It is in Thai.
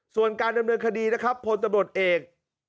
ส่วนการดำเนินคดีนะครับพลตำรวจเอก